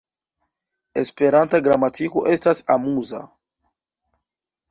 Esperanta gramatiko estas amuza!